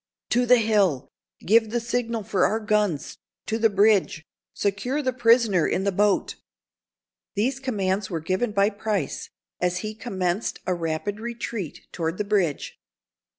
"To the hill! Give the signal for our guns—to the bridge—secure the prisoner in the boat!" These commands were given by Price, as he commenced a rapid retreat toward the bridge.